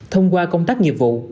thông qua công tác nhiệm vụ